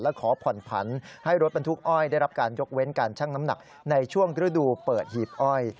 และขอผ่อนผันให้รถบรรทุกอ้อยได้รับการยกเว้นการชั่งน้ำหนักในช่วงฤดูเปิดหีบอ้อย